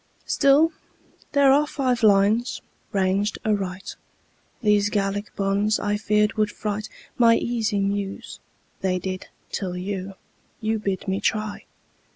Still, there are five lines ranged aright. These Gallic bonds, I feared, would fright My easy Muse. They did, till you You bid me try!